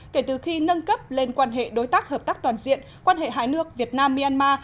kể từ khi nâng cấp lên quan hệ đối tác hợp tác toàn diện quan hệ hai nước việt nam myanmar